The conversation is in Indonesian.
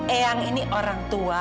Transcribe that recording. eang adalah orang tua edo